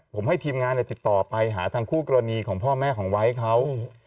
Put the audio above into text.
ผมให้ทีมงานติดต่อไปหาทางคู่กรณีของพ่อแม่ของไวท์เขา